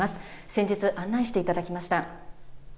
先日、案内していただきました。